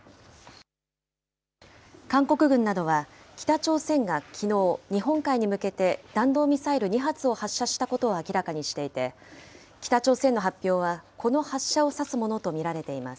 韓国軍などは北朝鮮がきのう、日本海に向けて弾道ミサイル２発を発射したことを明らかにしていて、北朝鮮の発表はこの発射を指すものと見られています。